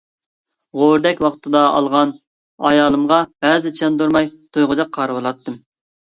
غورىدەك ۋاقتىدا ئالغان ئايالىمغا بەزىدە چاندۇرماي تويغۇدەك قارىۋالاتتىم.